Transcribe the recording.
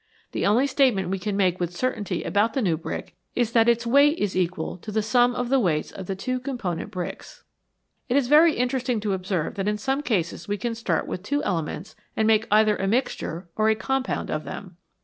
The only statement we can make with certainty about the new brick is that its weight is equal to the sum of the weights of the two component bricks. It is very interesting to observe that in some cases we can start with two elements and make either a mixture or a compound of them.